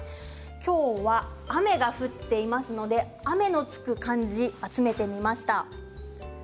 今日は雨が降っていますので雨のつく漢字、集めてみました。